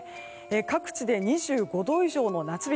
各地で２５度以上の夏日。